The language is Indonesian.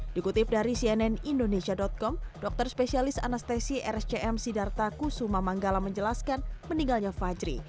dikutip dari cnn indonesia com dokter spesialis anestesi rscm sidarta kusuma manggala menjelaskan meninggalnya fajri